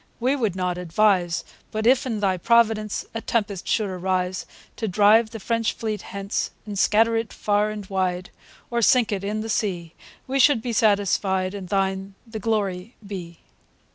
We would not advise; But if, in Thy Providence, A Tempest should arise, To drive the French fleet hence, And scatter it far and wide, Or sink it in the sea, We should be satisfied, And Thine the Glory be.